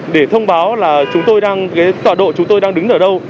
để thông báo là chúng tôi đang tọa độ chúng tôi đang đứng ở đâu